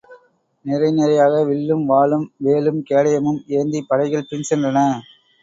நிரை நிரையாக வில்லும் வாளும் வேலும் கேடயமும் ஏந்திப் படைகள் பின்சென்றன.